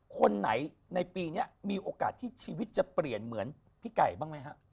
คนไหนในปีนี้มีโอกาสที่ชีวิตจะเปลี่ยนเหมือนพี่ไก่บ้างไหมฮะ